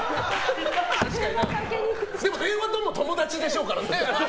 でも電話とも友達でしょうからね。